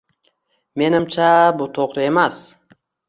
Menimcha, bu to'g'ri emas